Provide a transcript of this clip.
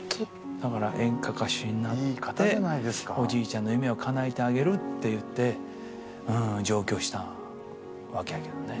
だから演歌歌手になっておじいちゃんの夢をかなえてあげるって言って上京したわけやけどね。